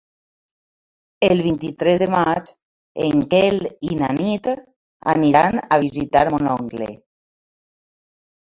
El vint-i-tres de maig en Quel i na Nit aniran a visitar mon oncle.